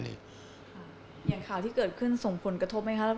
อย่างข่าวที่เกิดขึ้นส่งผลกระทบไหมคะ